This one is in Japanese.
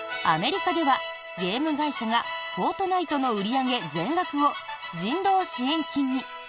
アメリカではゲーム会社が「フォートナイト」の売り上げ全額を人道支援金に。